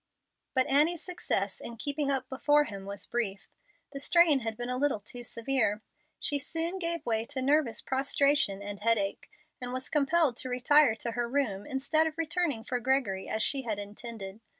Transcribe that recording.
But Annie's success in keeping up before him was brief. The strain had been a little too severe. She soon gave way to nervous prostration and headache, and was compelled to retire to her room instead of returning for Gregory as she had intended.